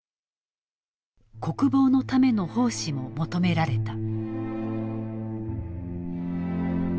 国防のための奉仕も求められた。